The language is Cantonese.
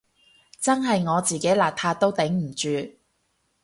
真係我自己邋遢都頂唔住